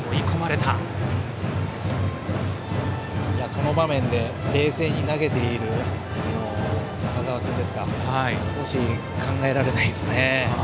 この場面で冷静に投げている高澤君ですが少し考えられないですね。